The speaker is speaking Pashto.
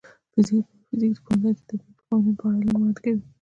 د فزیک پوهنځی د طبیعي قوانینو په اړه علم وړاندې کوي.